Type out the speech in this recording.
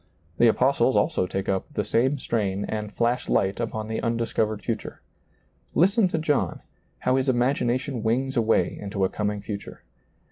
The apostles also take up the same strain and flash light upon the undiscovered future. Listeri to John, how his ima^nation wings away into a coming future.